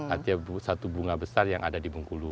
artinya satu bunga besar yang ada di bengkulu